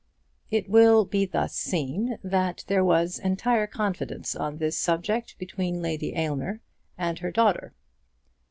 It will be thus seen that there was entire confidence on this subject between Lady Aylmer and her daughter.